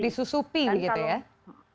disusupi gitu ya